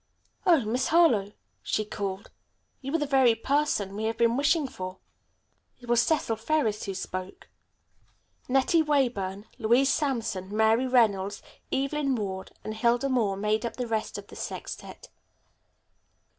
"Oh, Miss Harlowe," she called, "You are the very person we have been wishing for." It was Cecil Ferris who spoke. Nettie Weyburn, Louise Sampson, Mary Reynolds, Evelyn Ward and Hilda Moore made up the rest of the sextette.